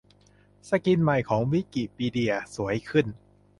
สกินใหม่ของ วิกิพีเดีย สวยขึ้น